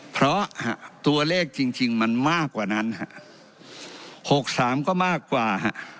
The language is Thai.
เพราะตัวเลขจริงมันมากกว่านั้นหกสามก็มากกว่า